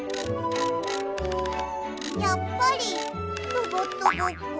やっぱりロボットごっこ。